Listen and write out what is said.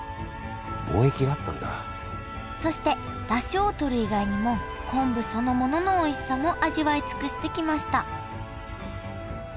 そしてダシをとる以外にも昆布そのもののおいしさも味わい尽くしてきました